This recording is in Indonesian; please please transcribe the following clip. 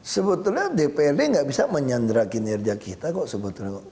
sebetulnya dprd gak bisa menyandrakin kerja kita kok sebetulnya kok